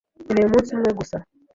Nkeneye umunsi umwe gusa.